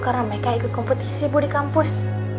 karena mereka ikut kompetisi bu di kampus